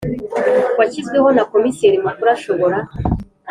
washyizweho na Komiseri Mukuru ashobora